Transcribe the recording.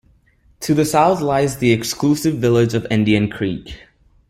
To the south lies the exclusive village of Indian Creek.